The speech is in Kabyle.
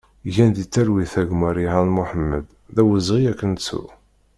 Gen di talwit a gma Riḥan Mohamed, d awezɣi ad k-nettu!